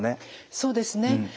そうですね。